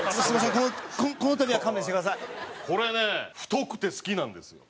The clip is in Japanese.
これね太くて好きなんですよ。